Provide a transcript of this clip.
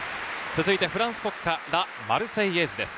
続いて、フランス国歌『ラ・マルセイエーズ』です。